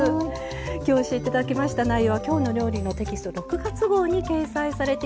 今日教えていただきました内容は「きょうの料理」のテキスト６月号に掲載されています。